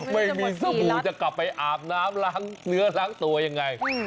ไม่มีสบู่จะกลับไปอาบน้ำล้างเนื้อล้างตัวยังไง